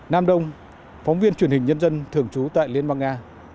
nam đông phóng viên truyền hình nhân dân thường trú tại liên bang nga